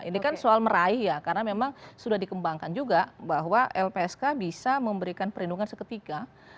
ini kan soal meraih ya karena memang sudah dikembangkan juga bahwa lpsk bisa memberikan perlindungan seketika